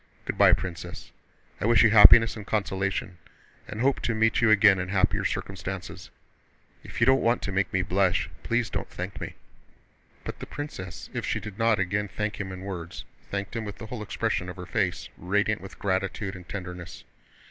Good by, Princess. I wish you happiness and consolation and hope to meet you again in happier circumstances. If you don't want to make me blush, please don't thank me!" But the princess, if she did not again thank him in words, thanked him with the whole expression of her face, radiant with gratitude and tenderness.